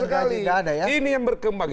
kejahatan ini yang berkembang